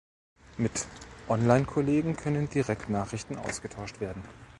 Mit Online-Kollegen können direkt Nachrichten ausgetauscht werden.